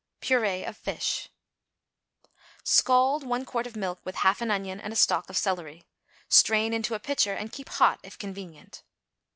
=Purée of Fish.= Scald one quart of milk, with half an onion and a stalk of celery; strain into a pitcher and keep hot if convenient.